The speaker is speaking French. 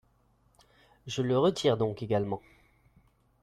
Je le retire donc également.